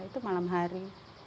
itu malam hari